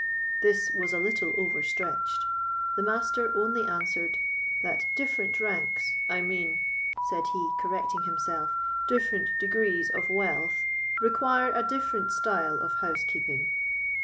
This was a little overstretched. The Master only answered, "That different ranks—I mean," said he, correcting himself, "different degrees of wealth require a different style of housekeeping."